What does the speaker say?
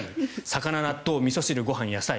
魚、納豆、みそ汁ご飯、野菜。